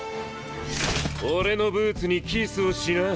俺のブーツにキスをしな。